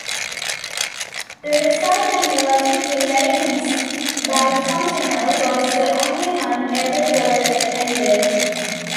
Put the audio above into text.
The resulting eulogy to Leibniz, by Fontenelle, was the only one ever delivered anywhere.